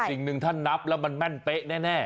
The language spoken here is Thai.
สิ่งหนึ่งถ้านับแล้วมันแม่นเป๊ะแน่